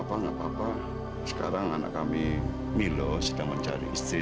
bisa nggak ya saya ketemu dengan pemilik atau manajer motel itu